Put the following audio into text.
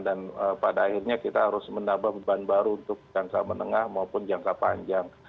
dan pada akhirnya kita harus menambah beban baru untuk jangka menengah maupun jangka panjang